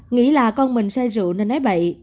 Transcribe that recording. nghĩ là con mình say rượu nên nói bậy